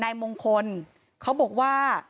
นายมงคลเขาบอกว่า